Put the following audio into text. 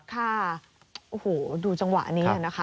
ค่ะดูจังหวะนี้นะคะ